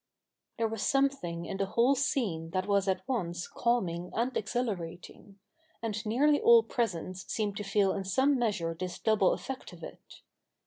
There was something in the whole scene that was at once calming and exhilarating ; and nearly all present seemed to feel in some measure this double effect of it.